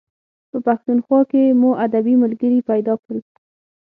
په پښتونخوا کې مو ادبي ملګري پیدا کړل.